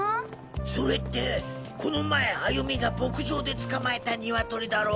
ソレってこの前歩美が牧場で捕まえたニワトリだろ？